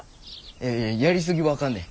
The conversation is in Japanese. いやいややりすぎはあかんねん。